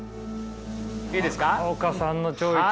いいですか？